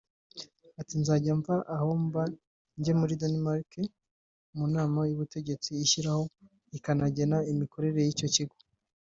Ati «Nzajya mva aho mba njye muri Danemark mu nama y’ubutegetsi ishyiraho ikanagena imikorere y’icyo kigo